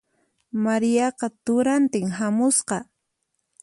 Mariaqa turantin hamusqa.